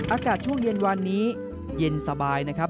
อากาศช่วงเย็นวันนี้เย็นสบายนะครับ